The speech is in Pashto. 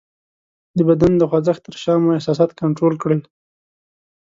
د بدن د خوځښت تر شا مو احساسات کنټرول کړئ :